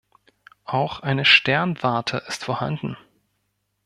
Auch eine Sternwarte ist vorhanden.